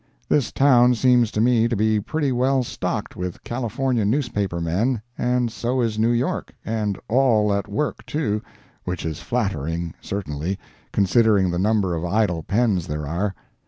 This town seems to me to be pretty well stocked with California newspaper men, and so is New York—and all at work, too, which is flattering, certainly, considering the number of idle pens there are.